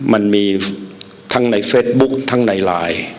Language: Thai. มันมีทั้งในเฟสบุ๊คทั้งในไลน์